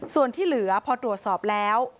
ส่วนที่เหลือพอตรวจสอบแล้ว